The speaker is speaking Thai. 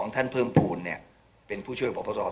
๒ท่านเพิ่มภูณเป็นผู้ช่วยบริษัท